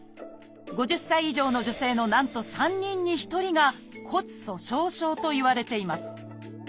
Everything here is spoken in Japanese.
５０歳以上の女性のなんと３人に１人が「骨粗しょう症」といわれています